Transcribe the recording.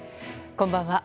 こんばんは。